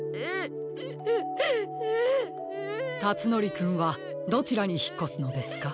たつのりくんはどちらにひっこすのですか？